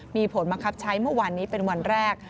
มีผลบังคับใช้เมื่อวานนี้เป็นวันแรก